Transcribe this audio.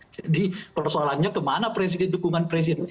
jadi persoalannya kemana presiden dukungan presiden